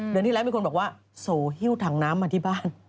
เดือนที่แล้วมีคนบอกว่าโสหิ้วถังน้ำมาที่บ้าน